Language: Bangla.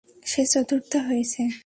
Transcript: সে চতুর্থ হয়েছে।